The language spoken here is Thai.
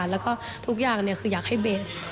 แล้วก็ทุกอย่างคืออยากให้เบส